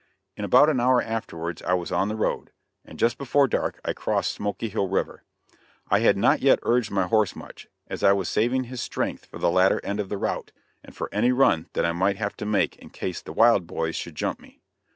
In about an hour afterwards I was on the road, and just before dark I crossed Smoky Hill River. I had not yet urged my horse much, as I was saving his strength for the latter end of the route, and for any run that I might have to make in case the "wild boys" should "jump" me.